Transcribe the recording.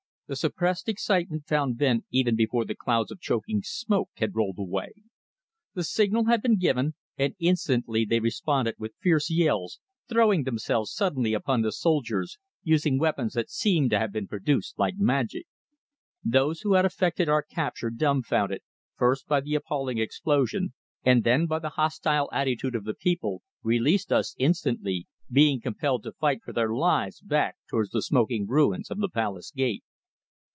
The suppressed excitement found vent even before the clouds of choking smoke had rolled away. The signal had been given, and instantly they responded with fierce yells, throwing themselves suddenly upon the soldiers, using weapons that seemed to have been produced like magic. Those who had effected our capture, dumbfounded, first by the appalling explosion, and then by the hostile attitude of the people, released us instantly, being compelled to fight for their lives back towards the smoking ruins of the palace gate.